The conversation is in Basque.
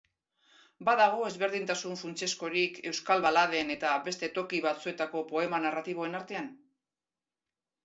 Badago ezberdintasun funtsezkorik euskal baladen eta beste toki batzuetako poema narratiboen artean?